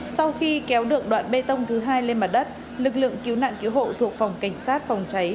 sau khi kéo được đoạn bê tông thứ hai lên mặt đất lực lượng cứu nạn cứu hộ thuộc phòng cảnh sát phòng cháy